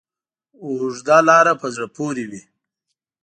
اوږده لاره په زړه پورې وي.